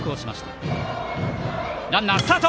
ランナースタート！